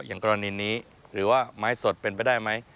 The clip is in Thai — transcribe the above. อย่างกรณีนี้หรือว่าไม้สดเป็นไปได้ไหม